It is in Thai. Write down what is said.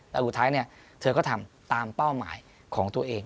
ในอกุธไทยเธอก็ทำตามเป้าหมายของตัวเอง